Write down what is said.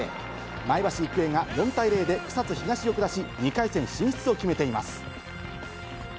前橋育英が４対０で草津東を下し、２回戦進出を決めています。